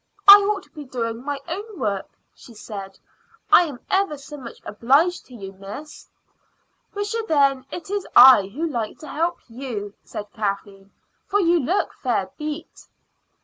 I ought to be doing my own work," she said. "I am ever so much obliged to you, miss." "Wisha, then, it is I who like to help you," said Kathleen, "for you look fair beat."